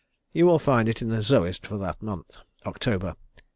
You will find it in the "Zoist" for that month October, 1854.